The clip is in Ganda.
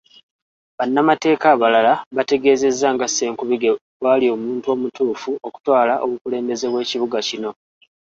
Bannamateeka abalala bategeezezza nga Ssenkubuge bw'ali omuntu omutuufu okutwala obukulembeze bw'ekibuga kino.